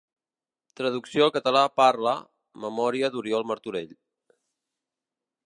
Traducció al català Parla, memòria d'Oriol Martorell.